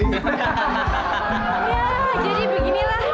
ya jadi beginilah